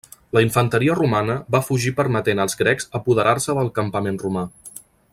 La infanteria romana va fugir permetent als grecs apoderar-se del campament romà.